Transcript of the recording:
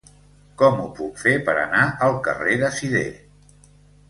Com ho puc fer per anar al carrer de Sidé?